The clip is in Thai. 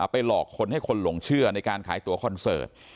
ไปหลอกคนให้คนหลงเชื่อในการขายตัวคอนเสิร์ต